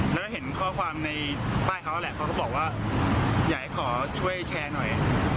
แล้วก็เห็นข้อความในป้ายเขาแหละเขาก็บอกว่าอยากให้ขอช่วยแชร์หน่อย